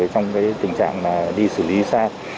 trong tình trạng đi xử lý xa